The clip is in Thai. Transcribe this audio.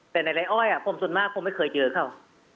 แต่ในไร้อ้อยผมส่วนมากผมไม่เคยเจอเขา